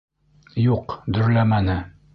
Юҡ, дөрләмәне.